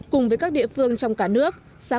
cùng với các địa phương trong cả nước